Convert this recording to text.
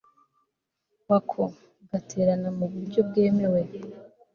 wako gaterana mu buryo bwemewe